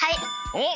おっ！